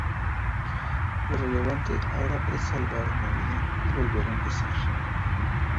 Lo relevante ahora es salvar una vida y volver a empezar.